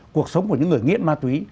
cuộc sống của những người nghiện ma túy